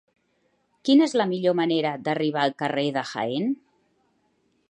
Quina és la millor manera d'arribar al carrer de Jaén?